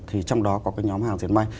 thì trong đó có cái nhóm hàng dệt may